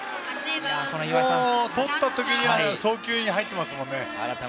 とった時には送球に入っていますもんね。